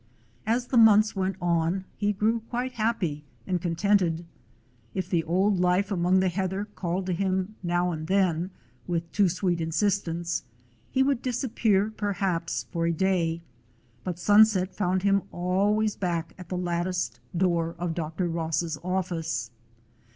As the months went on he grew quite happy and contented. If the old life among the heather called to him now and then with too sweet insistence, he would disappear, perhaps, for a day, but sunset found him always back at the latticed door of Dr. Ross's office.